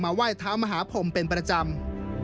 ไหว้เท้ามหาพรมเป็นประจำ